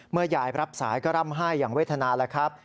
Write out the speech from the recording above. ยายรับสายก็ร่ำไห้อย่างเวทนาแล้วครับ